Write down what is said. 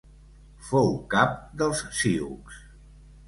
Fou cap dels sioux.